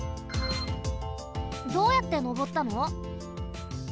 どうやってのぼったの？